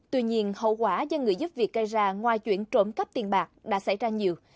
tuy nhiên hậu quả do người giúp việc gây ra ngoài chuyện trộm cắp tiền bạc đã xảy ra nhiều